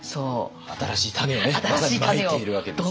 新しい種をまさにまいているわけですね。